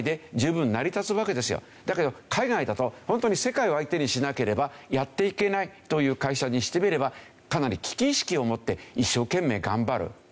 だけど海外だとホントに世界を相手にしなければやっていけないという会社にしてみればかなり危機意識を持って一生懸命頑張るという。